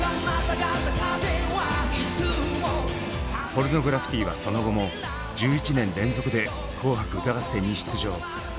ポルノグラフィティはその後も１１年連続で「紅白歌合戦」に出場。